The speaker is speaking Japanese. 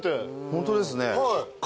ホントですね。